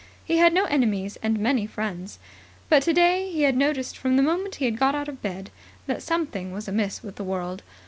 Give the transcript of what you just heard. He had no enemies and many friends. But today he had noticed from the moment he had got out of bed that something was amiss with the world.